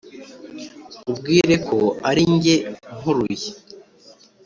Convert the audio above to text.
nkubwire ko ari jye mpuruye,